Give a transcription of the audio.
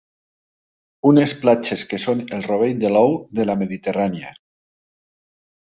Unes platges que són el rovell de l'ou de la Mediterrània.